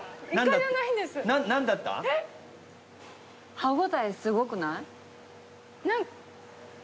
歯応えすごくない？